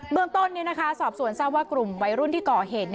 เมืองต้นสอบสวนทราบว่ากลุ่มวัยรุ่นที่ก่อเหตุ